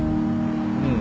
うん。